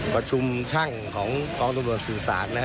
ประชุมช่างของกองสื่อจัลลิ้น